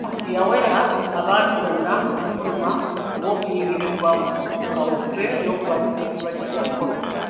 Yawera abantu bonna okufuluma oba okuyingira eggwanga mu kaweefube w'okulwanyisa ekirwadde kya COVID.